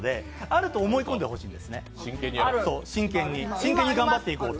あると思い込んでほしいんですね、真剣に。